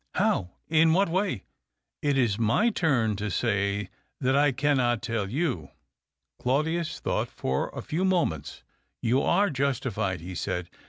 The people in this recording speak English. "How? In what way?" " It is my turn to say that I cannot tell you." Claudius thought for a few moments. " You are justified," he said.